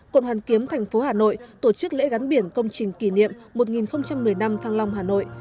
cộng hoàn kiếm tp hà nội tổ chức lễ gắn biển công trình kỷ niệm một nghìn một mươi năm thăng long hà nội